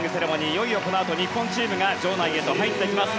いよいよこのあと日本代表が場内へと入ってきます。